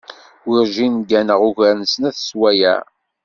Werǧin gganeɣ ugar n snat n sswayeε.